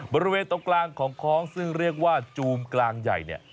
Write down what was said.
บริเวณตรงกลางของคล้องซึ่งเรียกว่าจูมกลางใหญ่เนี่ย